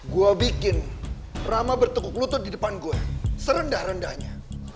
gue bikin rama bertukuk lutut di depan gue serendah rendahnya